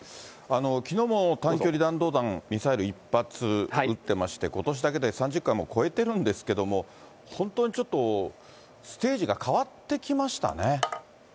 きのうも短距離弾道弾、ミサイル１発撃ってまして、ことしだけで３０回をもう超えてるんですけれども、本当にちょっそうですね。